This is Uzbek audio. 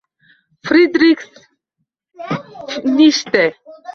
Fridrix Nitshe